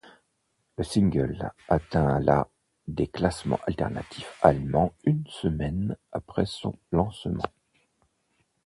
Le single atteint la des classements alternatifs allemands une semaine après son lancement.